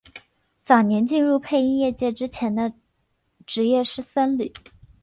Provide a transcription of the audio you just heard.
早年进入配音业界之前的职业是僧侣。